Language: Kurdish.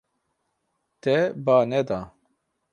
Te ba neda.